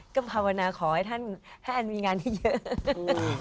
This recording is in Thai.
ก็ภาวนาขอให้ท่านให้แอนมีงานที่เยอะ